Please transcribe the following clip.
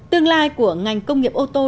tương lai của ngành công nghiệp ô tô